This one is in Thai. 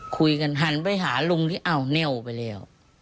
คุยกันหันไปหาลุงที่อ้าวเน่วไปแล้ว